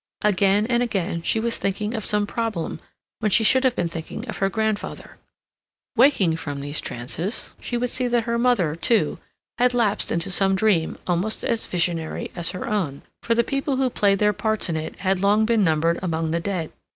Again and again she was thinking of some problem when she should have been thinking of her grandfather. Waking from these trances, she would see that her mother, too, had lapsed into some dream almost as visionary as her own, for the people who played their parts in it had long been numbered among the dead.